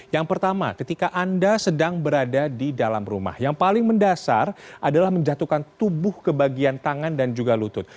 yang pertama ketika anda sedang berada di dalam rumah yang paling mendasar adalah menjatuhkan tubuh ke bagian tangan dan juga lutut